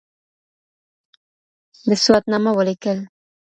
ده سواتنامه وليکل